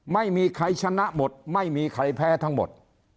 ไม่มีใครชนะหมดไม่มีใครแพ้ทั้งหมด